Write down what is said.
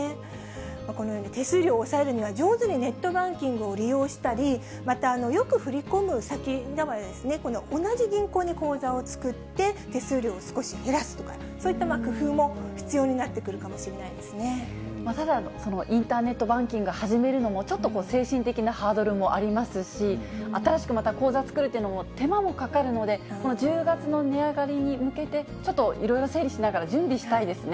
このように、手数料を抑えるには、上手にネットバンキングを利用したり、また、よく振り込む先では同じ銀行に口座を作って、手数料を少し減らすとか、そういった工夫も必要になってくるかもただ、インターネットバンキング始めるのも、ちょっと精神的なハードルもありますし、新しくまた口座作るっていうのも手間もかかるので、１０月の値上がりに向けて、ちょっといろいろ整理しながら、準備したいですね。